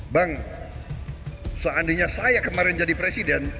bang seandainya saya kemarin jadi presiden